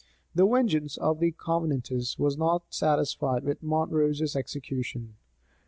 The vengeance of the Covenanters was not satisfied with Montrose's execution.